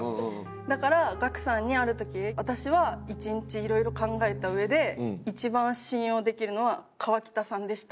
だからガクさんにある時「私は１日いろいろ考えたうえで一番信用できるのは川北さんでした」